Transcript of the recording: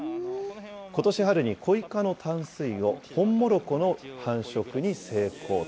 ことし春にコイ科の淡水魚ホンモロコの繁殖に成功。